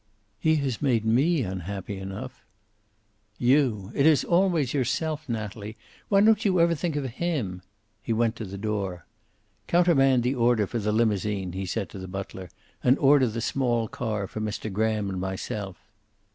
"He has made me unhappy enough." "You. It is always yourself, Natalie. Why don't you ever think of him?" He went to the door. "Countermand the order for the limousine," he said to the butler, "and order the small car for Mr. Graham and myself."